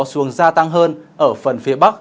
xuống gia tăng hơn ở phần phía bắc